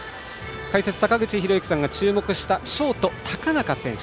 解説、坂口裕之さんが注目したショート、高中選手。